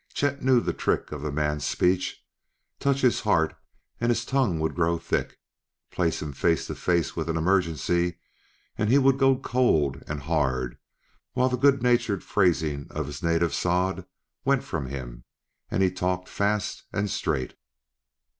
Chet knew the trick of the man's speech; touch his heart and his tongue would grow thick; place him face to face with an emergency and he would go cold and hard, while the good natured phrasing of his native sod went from him and he talked fast and straight.